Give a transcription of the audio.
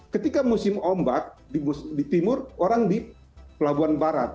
ketika musim ombak di timur orang di pelabuhan barat